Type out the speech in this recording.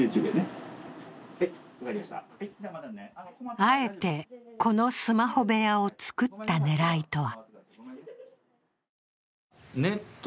あえて、このスマホ部屋を作った狙いとは？